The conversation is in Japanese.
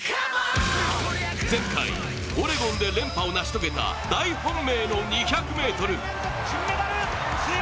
前回、オレゴンで連覇を成し遂げた大本命の２００ｍ。